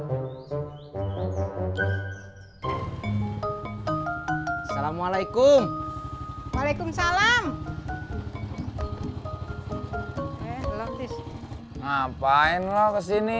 assalamualaikum waalaikumsalam ngapain lo kesini